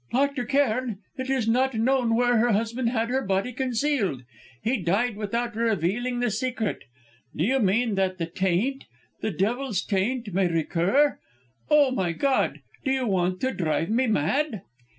"Dr. Cairn, it is not known where her husband had her body concealed. He died without revealing the secret. Do you mean that the taint, the devil's taint, may recur Oh, my God! do you want to drive me mad?"